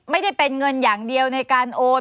ไม่ได้เป็นเงินอย่างเดียวในการโอน